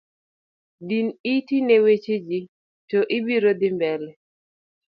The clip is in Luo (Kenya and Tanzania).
Din iti ne wecheji to ibiro dhimbele.